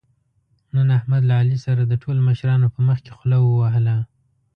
نن احمد له علي سره د ټولو مشرانو په مخکې خوله ووهله.